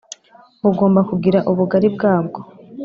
bugomba kugira ubugari bwabwo